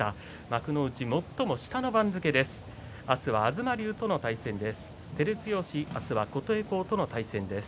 幕内、最も下の番付です。